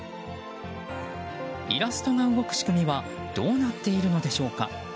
イラストが動く仕組みはどうなっているのでしょうか。